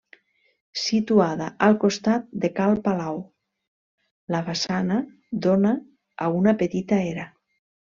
Situada al costat de Cal Palau, la façana dóna a una petita era.